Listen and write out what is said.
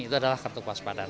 itu adalah kartu kewaspadaan